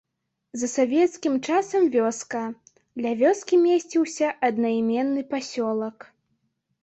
За савецкім часам вёска, ля вёскі месціўся аднайменны пасёлак.